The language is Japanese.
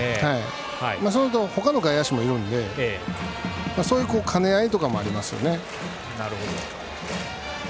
それと他の外野手もいるのでそういう兼ね合いとかもありますよね。